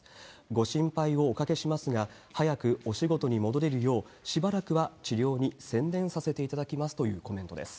ご心配をおかけしますが、早くお仕事に戻れるよう、しばらくは治療に専念させていただきますというコメントです。